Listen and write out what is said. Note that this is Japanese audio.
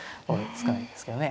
少ないですけどね。